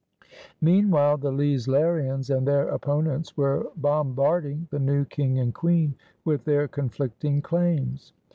Meanwhile the Leislerians and their opponents were bombarding the new King and Queen with their conflicting claims.